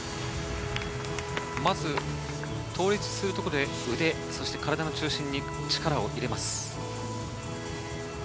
まず倒立するところで腕、体の中心に力を入れます。